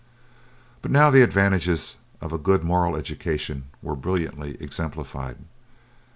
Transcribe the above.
But now the advantages of a good moral education were brilliantly exemplified.